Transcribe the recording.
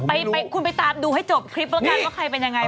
ผมไม่รู้คุณไปตามดูให้จบคลิปก็ได้กันว่าใครเป็นอย่างไร